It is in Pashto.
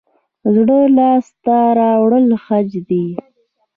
زړه لاس ته راوړل حج دی